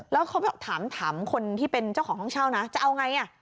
แล้วเขาถามคนที่เป็นเจ้าของห้องเช่านะจะเอาไง